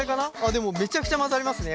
でもめちゃくちゃ混ざりますね